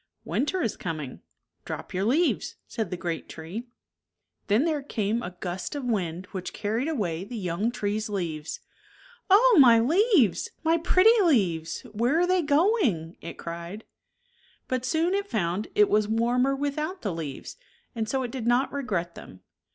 " Winter is coming. Drop your leaves," said the great tree. Then there came a gust of wind which carried away the young tree's leaves. "Oh, my leaves! my pretty leaves! Where are they going?" it cried. 48 But soon it found it was warmer without the leaves and so it did not regret them.